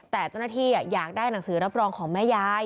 แต่เจ้าหน้าที่อยากได้หนังสือรับรองของแม่ยาย